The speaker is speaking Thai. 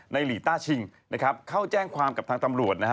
ไนลีต้าชิงเขาแจ้งความกับทางตำรวจ